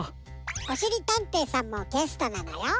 おしりたんていさんもゲストなのよ。